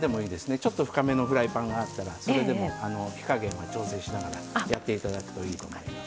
ちょっと深めのフライパンがあったらそれでも火加減は調整しながらやっていただくといいと思います。